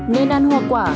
nên ăn hoa quả